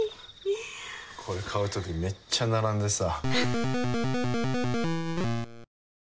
これ買うときめっちゃ並んでさ。